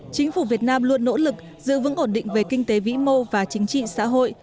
chính phủ việt nam luôn nỗ lực giữ vững ổn định về kinh tế vĩ mô và chính trị xã hội